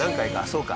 そうか。